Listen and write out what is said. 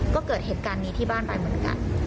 ก็เกิดเหตุการณ์นี้ที่บ้านไปเหมือนกัน